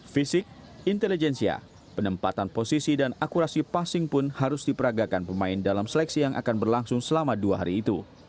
fisik intelijensia penempatan posisi dan akurasi passing pun harus diperagakan pemain dalam seleksi yang akan berlangsung selama dua hari itu